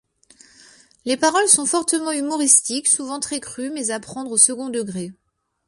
Les paroles sont fortement humoristiques, souvent très crues mais à prendre au second degré.